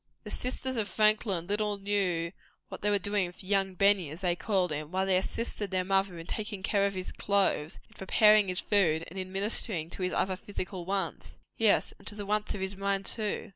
The sisters of Franklin little knew what they were doing for "young Benny," as they called him, while they assisted their mother in taking care of his clothes, in preparing his food, and in ministering to his other physical wants yes, and to the wants of his mind, too.